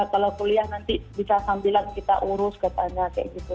kalau kuliah nanti bisa sambilan kita urus katanya kayak gitu